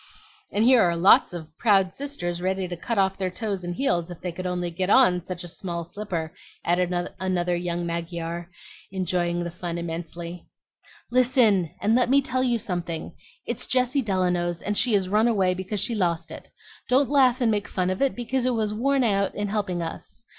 "And here are lots of proud sisters ready to cut off their toes and heels if they could only get on such a small slipper," added another young Mygar, enjoying the fun immensely. "Listen, and let me tell you something. It's Jessie Delano's, and she has run away because she lost it. Don't laugh and make fun of it, because it was worn out in helping us.